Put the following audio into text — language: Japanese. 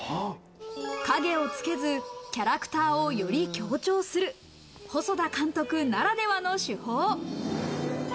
影をつけずキャラクターをより強調する細田監督ならではの手法。